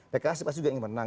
pks juga ingin menang